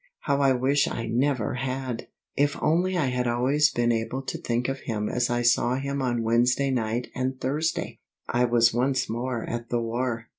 How I wish I never had! If only I had always been able to think of him as I saw him on Wednesday night and Thursday! I was once more at the war.